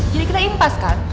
jadi kita impas kan